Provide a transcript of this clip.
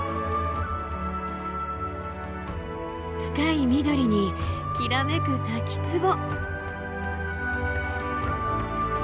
深い緑にきらめく滝つぼ。